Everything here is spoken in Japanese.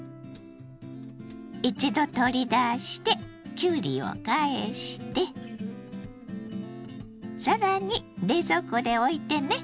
一度取り出してきゅうりを返して更に冷蔵庫でおいてね。